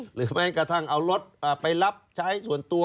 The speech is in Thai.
แม้กระทั่งเอารถไปรับใช้ส่วนตัว